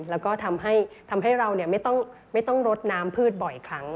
แล้วก็ทำให้เราไม่ต้องรดน้ำพืชบ่อยครั้ง